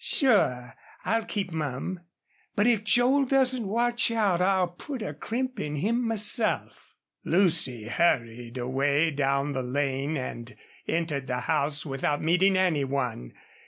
"Sure I'll keep mum. But if Joel doesn't watch out I'll put a crimp in him myself." Lucy hurried away down the lane and entered the house without meeting any one.